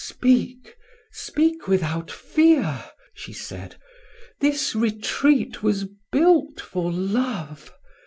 "Speak, speak without fear!" she said. "This retreat was built for love.